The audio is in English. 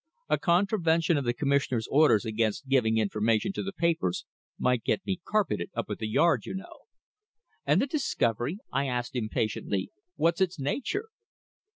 A contravention of the Commissioner's orders against giving information to the papers might get me carpeted up at the Yard, you know." "And the discovery?" I asked impatiently. "What's its nature?"